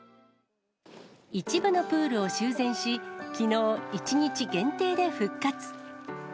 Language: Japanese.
一部のプールを修繕し、きのう一日限定で復活。